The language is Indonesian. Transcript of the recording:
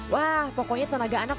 wah pokoknya tenaga anak